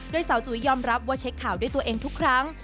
โดยสาวจุ๋ยยอมรับว่าเช็คข่าวด้วยตัวเองทุกครั้ง